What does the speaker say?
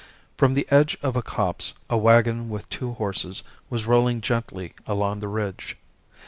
From the edge of a copse a waggon with two horses was rolling gently along the ridge.